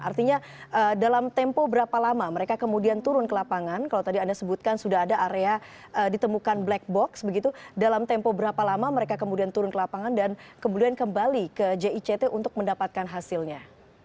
artinya dalam tempo berapa lama mereka kemudian turun ke lapangan kalau tadi anda sebutkan sudah ada area ditemukan black box begitu dalam tempo berapa lama mereka kemudian turun ke lapangan dan kemudian kembali ke jict untuk mendapatkan hasilnya